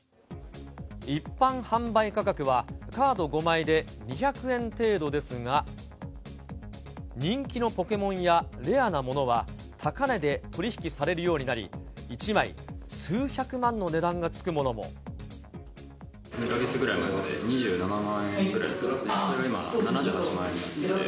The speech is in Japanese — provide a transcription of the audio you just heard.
一般販売価格はカード５枚で２００円程度ですが、人気のポケモンやレアなものは高値で取り引きされるようになり、２か月くらい前まで２７万円くらい、それが今７８万円になってて。